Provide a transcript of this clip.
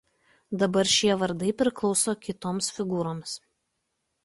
Dabar šie vardai priklauso kitoms figūroms.